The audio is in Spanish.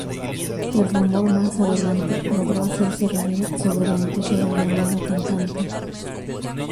El rumor más adelante, logró hacerse realidad sobre la noticia de una nueva cantante.